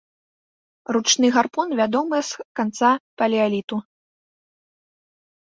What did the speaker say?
Ручны гарпун вядомы з канца палеаліту.